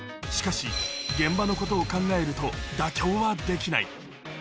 しかし、現場のことを考えると、妥協はできない。